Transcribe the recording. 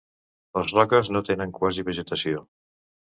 Les roques no tenen quasi vegetació.